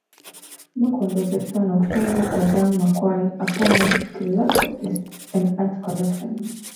Marquand was the son of Henry Gurdon Marquand, a prominent philanthropist and art collector.